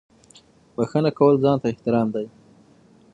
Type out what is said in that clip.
• بښنه کول ځان ته احترام دی.